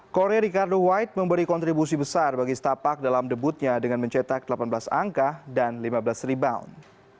korea ricardo white memberi kontribusi besar bagi setapak dalam debutnya dengan mencetak delapan belas angka dan lima belas rebound